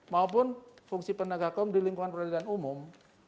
maupun fungsi penegak hukum di lingkungan peradilan umum